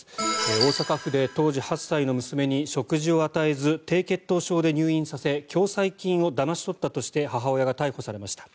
大阪府で当時８歳の娘に食事を与えず低血糖症で入院され共済金をだまし取ったとして母親が逮捕されました。